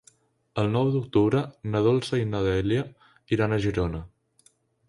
El nou d'octubre na Dolça i na Dèlia iran a Girona.